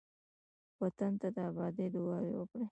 وطن ته د آبادۍ دعاوې وکړئ.